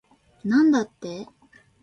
なんだって